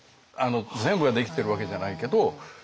全部ができてるわけじゃないけど。